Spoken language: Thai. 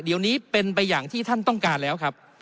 เดี๋ยวนี้เป็นไปอย่างที่ท่านต้องการแล้วครับ